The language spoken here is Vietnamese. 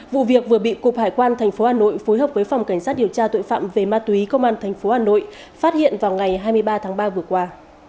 vụ việc vừa bị cục hải quan tp hcm phối hợp với phòng cảnh sát điều tra tội phạm về ma túy công an tp hcm phát hiện vào ngày hai mươi ba tháng ba vừa qua